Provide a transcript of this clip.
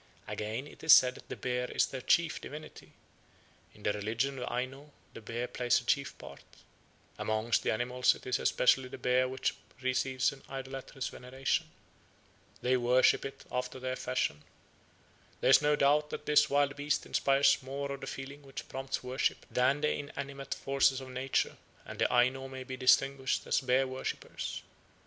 Again, it is said that "the bear is their chief divinity"; "in the religion of the Aino the bear plays a chief part"; "amongst the animals it is especially the bear which receives an idolatrous veneration"; "they worship it after their fashion"; "there is no doubt that this wild beast inspires more of the feeling which prompts worship than the inanimate forces of nature, and the Aino may be distinguished as bear worshippers."